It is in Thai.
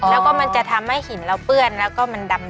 แล้วก็มันจะทำให้หินเราเปื้อนแล้วก็มันดำ